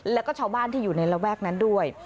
แล้วก็ชาวบ้านที่อยู่ในระแวกนั้นด้วย